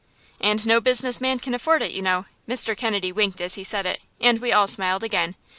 "And no business man can afford it, you know." Mr. Kennedy winked as he said it, and we all smiled again.